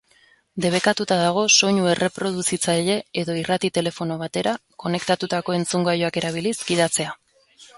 Debekatuta dago soinu-erreproduzitzaile edo irrati-telefono batera konektatutako entzungailuak erabiliz gidatzea.